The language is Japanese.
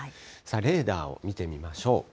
レーダーを見てみましょう。